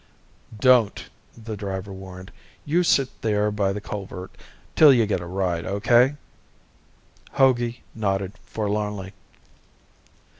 "Don't," the driver warned. "You sit there by the culvert till you get a ride. Okay?" Hogey nodded forlornly.